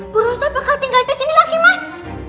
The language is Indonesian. bu rosa bakal tinggal di sini lagi mas